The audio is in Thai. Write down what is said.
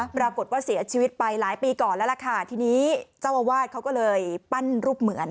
ปรากฏว่าเสียชีวิตไปหลายปีก่อนแล้วล่ะค่ะทีนี้เจ้าอาวาสเขาก็เลยปั้นรูปเหมือน